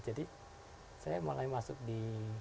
jadi saya mulai masuk di